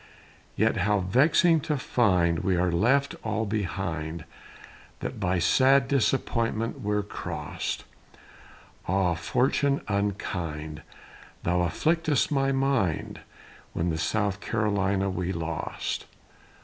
Yet how vexing to find We are left all behind, That by sad disappointment we're cross'd; Ah, fortune unkind! Thou afflicted'st my mind, When the South Carolina we lost.